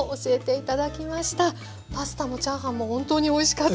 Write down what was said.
パスタもチャーハンも本当においしかったです。